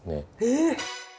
えっ！